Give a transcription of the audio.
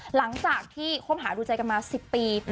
หลังจากที่คบหาดูใจกันมา๑๐ปี